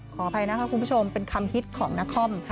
ขออภัยนะคะคุณผู้ชมเป็นคำฮิตของนคร